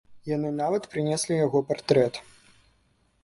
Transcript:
Яны нават прынеслі яго партрэт.